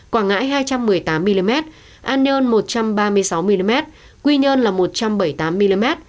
quảng ngãi hai trăm một mươi tám mm an nhơn một trăm ba mươi sáu mm quy nhơn là một trăm bảy mươi tám mm